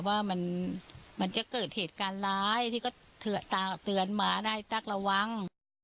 ว่ามันจะเกิดเหตุการณ์ร้ายที่ก็เตือนมาได้ตั๊กระวัง